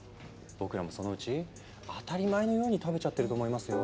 僕らもそのうち当たり前のように食べちゃってると思いますよ。